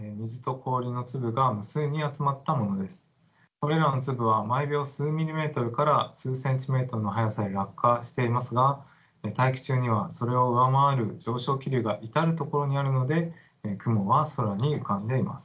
これらの粒は毎秒数ミリメートルから数センチメートルの速さで落下していますが大気中にはそれを上回る上昇気流が至る所にあるので雲は空に浮かんでいます。